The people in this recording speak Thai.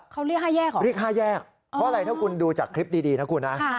เขาเรียก๕แยกเหรอเรียก๕แยกเพราะอะไรถ้าคุณดูจากคลิปดีนะคุณนะ